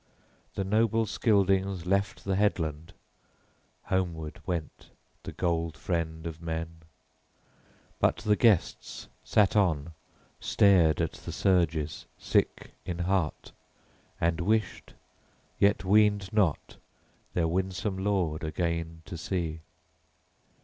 The noble Scyldings left the headland; homeward went the gold friend of men. {23b} But the guests sat on, stared at the surges, sick in heart, and wished, yet weened not, their winsome lord again to see.